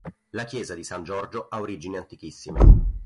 La chiesa di San Giorgio ha origini antichissime.